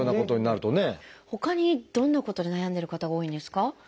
ほかにどんなことで悩んでる方が多いんですか？